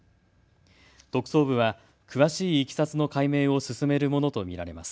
特捜部は詳しいいきさつの解明を進めるものと見られます。